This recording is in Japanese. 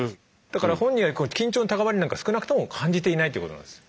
だから本人は緊張の高まりなんか少なくとも感じていないということなんです。